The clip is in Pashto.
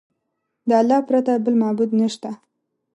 د الله پرته بل معبود نشته.